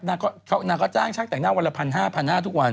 นางก็จ้างช่างแต่งหน้าวันละพันห้าพันห้าทุกวัน